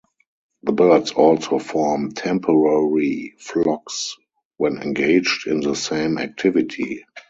The birds also form temporary flocks when engaged in the same activity.